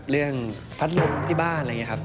พัดลมที่บ้านอะไรอย่างนี้ครับ